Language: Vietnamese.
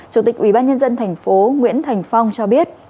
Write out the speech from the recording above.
chủ tịch ubnd tp nguyễn thành phong cho biết